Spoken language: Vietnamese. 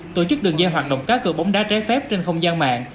tổ chức đường dây hoạt động cá cược bóng đá trái phép trên không gian mạng